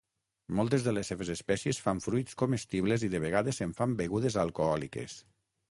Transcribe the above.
Moltes de les seves espècies fan fruits comestibles i de vegades se'n fan begudes alcohòliques.